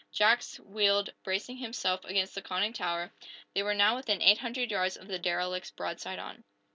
Jack wheeled, bracing himself against the conning tower. They were now within eight hundred yards of the derelict's broadside on.